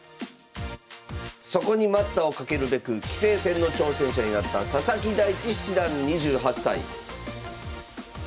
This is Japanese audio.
そこに待ったをかけるべく棋聖戦の挑戦者になった佐々木大地七段２８歳。